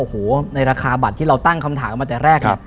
โอ้โหในราคาบัตรที่เราตั้งคำถามมาแต่แรกเนี่ย